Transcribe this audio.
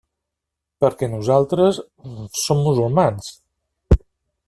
Perquè nosaltres... som musulmans.